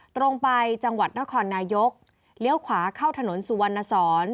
ตรงไปจังหวัดนครนายกเลี้ยวขวาเข้าถนนสุวรรณสอน